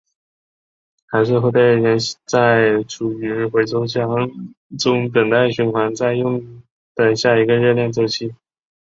还是会被扔在厨余回收箱中等待循环再用的下一个热恋周期？